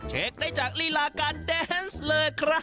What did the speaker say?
เช็คได้จากลีลาการแดนส์เลยครับ